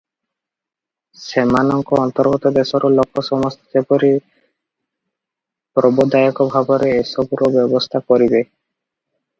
ସେମାନଙ୍କ ଅନ୍ତର୍ଗତ ଦେଶର ଲୋକ ସମସ୍ତେ ଯେପରି ପ୍ରବଦାୟକ ଭାବରେ ଏସବୁର ବ୍ୟବସ୍ଥା କରିବେ ।